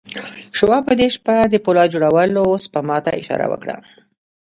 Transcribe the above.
شواب په دې شپه د پولاد جوړولو سپما ته اشاره وکړه